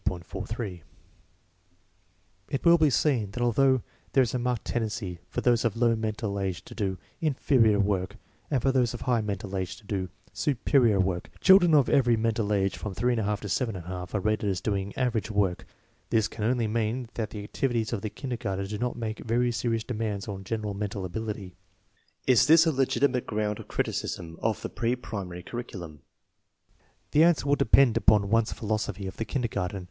43) It will be seen that although there is a marked ten dency for those of low mental age to do "inferior work and for those of high mental age to do "superior " work, children of every mental age from 8 J to 7| are rated as doing "average" work. This can only mean that the activities of the kindergarten do not make very serious demands on general mental ability. Is this a legitimate ground of criticism of the pre primary curriculum? The answer will depend upon one's philosophy of the kindergarten.